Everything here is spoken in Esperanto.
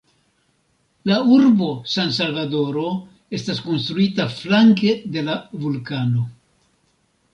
La urbo San-Salvadoro estas konstruita flanke de la vulkano.